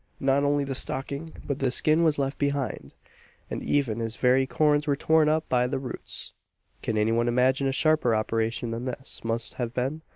Not only the stocking, but the skin was left behind and even his very corns were torn up by the roots! Can any one imagine a sharper operation than this must have been?